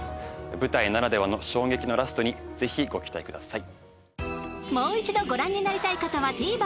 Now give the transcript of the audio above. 舞台ならではの衝撃のラストにぜひご期待ください